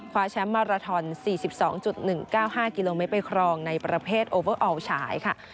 แชมป์มาราทอน๔๒๑๙๕กิโลเมตรไปครองในประเภทโอเบอร์อัลฉายค่ะ